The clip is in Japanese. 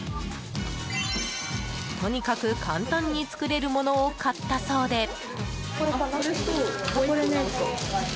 とにかく簡単に作れるものを買ったそうで。